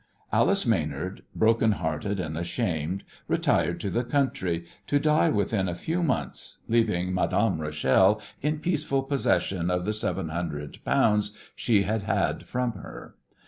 Alice Maynard, broken hearted and ashamed, retired to the country, to die within a few months, leaving Madame Rachel in peaceful possession of the seven hundred pounds she had had from her.